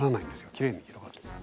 きれいに広がっていきます。